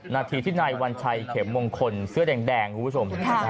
นาทีที่นายวัญชัยเข็มมงคลเสื้อแดงคุณผู้ชม